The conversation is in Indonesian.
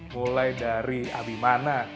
mulai dari abimana